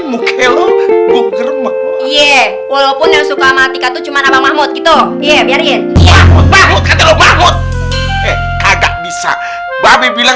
mokelo boh gerem iye walaupun suka mati kacuman abang mahmud gitu biarin